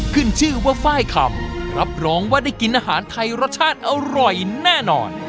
ขึ้นชื่อว่าไฟล์คำรับรองว่าได้กินอาหารไทยรสชาติอร่อยแน่นอน